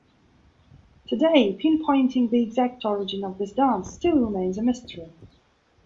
Today, pinpointing the exact origin of this dance still remains a mystery.